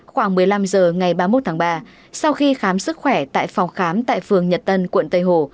khoảng một mươi năm h ngày ba mươi một tháng ba sau khi khám sức khỏe tại phòng khám tại phường nhật tân quận tây hồ